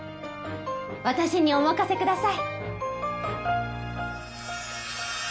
私にお任せください